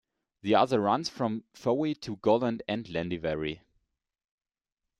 The other runs north from Fowey to Golant and Lanlivery.